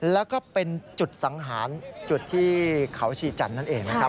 แล้วก็เป็นจุดสังหารจุดที่เขาชีจันทร์นั่นเองนะครับ